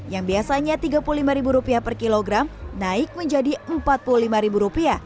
yang biasanya rp tiga puluh lima per kilogram naik menjadi rp empat puluh lima